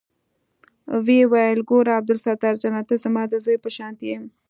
ويې ويل ګوره عبدالستار جانه ته زما د زوى په شانتې يې.